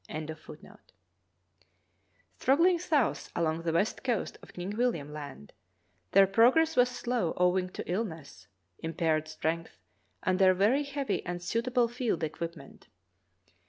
* Struggling south along the west coast of King William Land, their progress was slow owing to illness, impaired strength, and their very heavy, unsuitable field equipment.